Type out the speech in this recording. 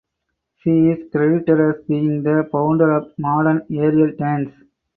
She is credited as being the founder of modern aerial dance.